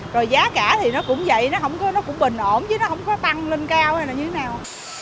rồi giá cả thì nó cũng vậy nó cũng bình ổn chứ nó không có tăng lên cao hay là như thế nào